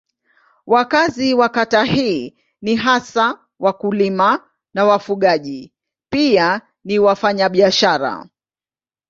Wakazi wa kata hii ni hasa wakulima na wafugaji pia ni wafanyabiashara.